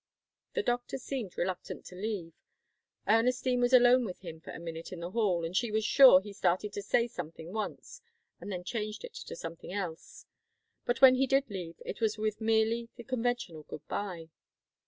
The doctor seemed reluctant to leave. Ernestine was alone with him for a minute in the hall, and she was sure he started to say something once and then changed it to something else. But when he did leave, it was with merely the conventional goodbye.